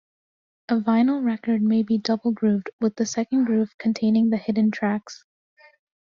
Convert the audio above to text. A vinyl record may be double-grooved, with the second groove containing the hidden tracks.